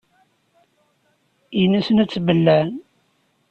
In-asen ad tt-bellɛen.